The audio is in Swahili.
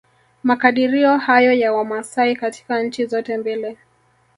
Makadirio hayo ya Wamasai katika nchi zote mbili